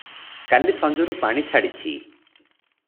କାଲି ସଞ୍ଜରୁ ପାଣି ଛାଡ଼ିଛି ।